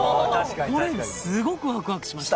これすごくワクワクしました。